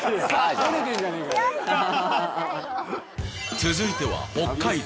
続いては北海道。